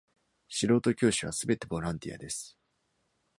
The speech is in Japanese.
素人教師はすべてボランティアです。